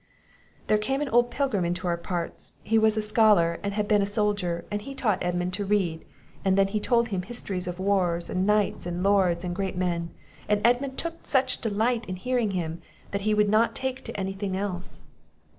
['] There came an old pilgrim into our parts; he was a scholar, and had been a soldier, and he taught Edmund to read; then he told him histories of wars, and knights, and lords, and great men; and Edmund took such delight in hearing him, that he would not take to any thing else.